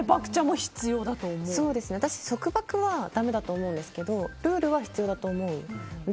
私は束縛はだめだと思うんですけどルールは必要だと思う。